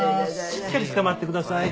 しっかりつかまってください。